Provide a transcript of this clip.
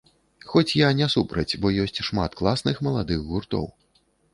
Хоць я не супраць, бо ёсць шмат класных маладых гуртоў!